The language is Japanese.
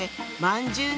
まんじゅう。